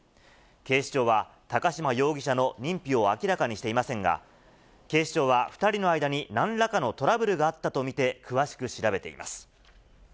警視庁は、高島容疑者の認否を明らかにしていませんが、警視庁は２人の間になんらかのトラブルがあったと見て、詳しく調